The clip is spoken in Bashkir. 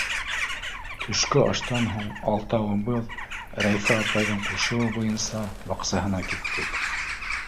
Төшкө аштан һуң алтауыбыҙ Рәйфә апайҙың ҡушыуы буйынса баҡсаһына киттек.